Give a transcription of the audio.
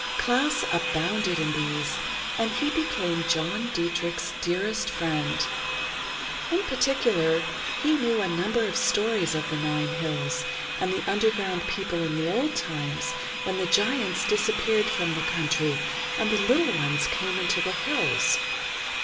Klas abounded in these, and he became John Dietrich's dearest friend. In particular, he knew a number of stories of the Nine hills, and the underground people in the old times, when the giants disappeared from the country and the little ones came into the hills.